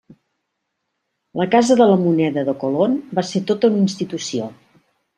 La Casa de la Moneda de Colón va ser tota una institució.